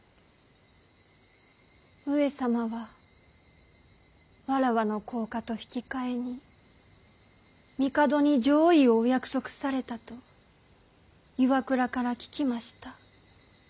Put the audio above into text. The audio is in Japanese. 上様は妾の降嫁と引き換えに帝に攘夷をお約束されたと岩倉から聞きました。